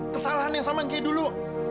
kesalahan yang sama mki dulu